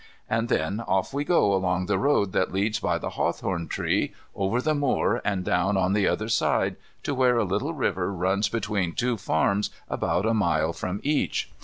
And then off we go along the road that leads by the hawthorn tree, over the moor and down on the other side, to where a little river runs between two farms about a mile from each.